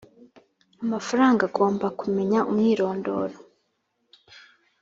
amafaranga agomba kumenya umwirondoro